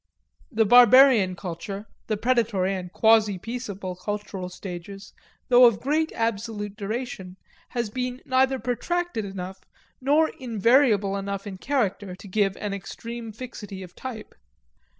The barbarian culture the predatory and quasi peaceable cultural stages though of great absolute duration, has been neither protracted enough nor invariable enough in character to give an extreme fixity of type.